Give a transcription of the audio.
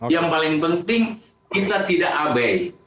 yang paling penting kita tidak abai